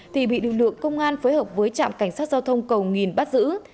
thì bị lực lượng công an phối hợp với trạm cảnh sát giao thông cầu nghìn bắt giữ